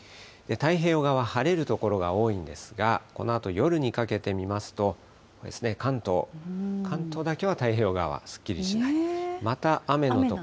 太平洋側は晴れる所が多いんですが、このあと夜にかけて見ますと、関東、関東だけは太平洋側、すっきりしないと。